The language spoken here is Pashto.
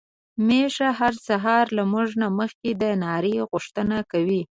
ميښه هر سهار له موږ نه مخکې د ناري غوښتنه کوي.